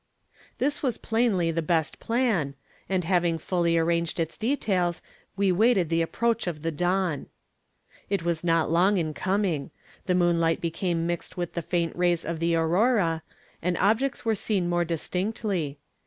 This was plainly the best plan, and having fully arranged its details, we waited the approach of the dawn. It was not long in coming. The moonlight became mixed with the faint rays of the aurora, and objects were seen more distinctly.